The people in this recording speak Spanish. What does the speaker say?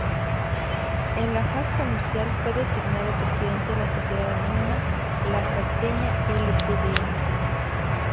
En la faz comercial fue designado presidente de la Sociedad Anónima "La Salteña Ltda.".